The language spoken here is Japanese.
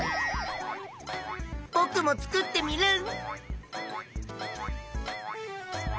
ぼくも作っテミルン！